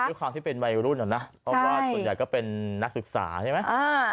ด้วยความที่เป็นวัยรุ่นอ่ะนะเพราะว่าส่วนใหญ่ก็เป็นนักศึกษาใช่ไหม